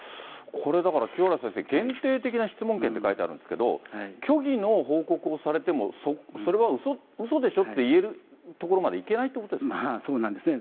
これ、だから清原先生、限定的な質問権って書いてあるんですけど、虚偽の報告をされても、それはうそでしょって言えるところまで行けないっていうことでしまあそうなんですね。